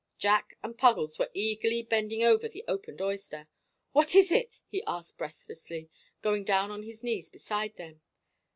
Jack and Puggles were eagerly bending over the opened oyster. "What is it?" he asked breathlessly, going down on his knees beside them.